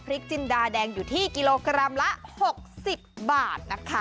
จินดาแดงอยู่ที่กิโลกรัมละ๖๐บาทนะคะ